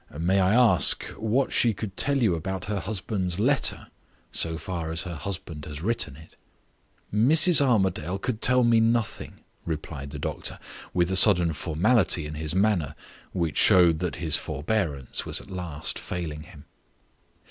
May I ask what she could tell you about her husband's letter, so far as her husband has written it?" "Mrs. Armadale could tell me nothing," replied the doctor, with a sudden formality in his manner, which showed that his forbearance was at last failing him.